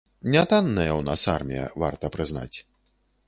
Нятанная ў нас армія, варта прызнаць.